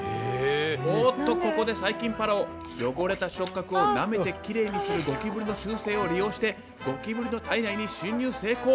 おっとここで細菌パラオ汚れた触角をなめてきれいにするゴキブリの習性を利用してゴキブリの体内に侵入成功！